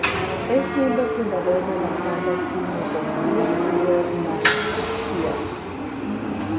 Es miembro fundador de las bandas Dimmu Borgir y Old Man's Child.